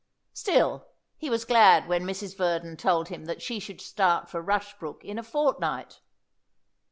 Still, he was glad when Mrs. Verdon told him that she should start for Rushbrook in a fortnight.